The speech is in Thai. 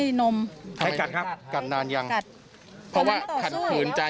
ไม่มีแล้วเพราะว่านานแล้วอันนี้